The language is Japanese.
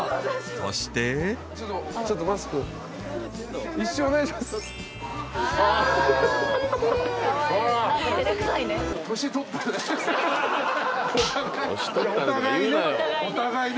［そして］お互いね。